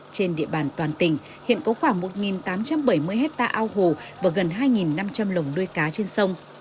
trên địa bàn toàn tỉnh hiện có khoảng một tám trăm bảy mươi hectare ao hồ và gần hai năm trăm linh lồng nuôi cá trên sông